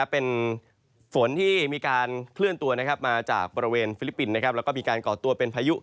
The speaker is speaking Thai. เป็นฝนที่มีการเคลื่อนตัวมาจากบริเวณฟิลิปปินส์แล้วก็มีการก่อตัวเป็นพายุ